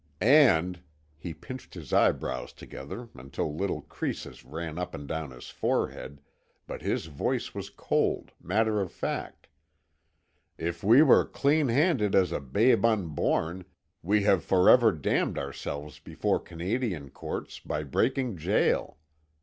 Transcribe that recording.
And"—he pinched his eyebrows together until little creases ran up and down his forehead, but his voice was cold, matter of fact—"if we were clean handed as a babe unborn, we have forever damned ourselves before Canadian courts, by breaking jail.